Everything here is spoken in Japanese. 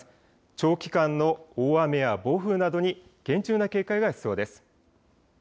長期間の大雨や暴風などに厳重な警戒が必要です。